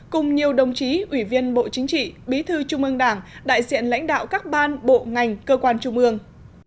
cùng nhiều đồng chí ủy viên bộ chính trị bí thư trung ương đảng đại diện lãnh đạo các ban bộ ngành cơ quan trung ương